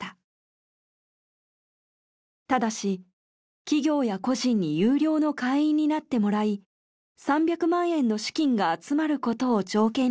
ただし企業や個人に有料の会員になってもらい３００万円の資金が集まることを条件にしました。